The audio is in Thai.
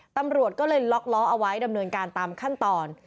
ตำรวจก็เลยล็อกล้อเอาไว้ดำเนินการตามขั้นตอน